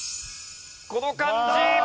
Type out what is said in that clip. この漢字。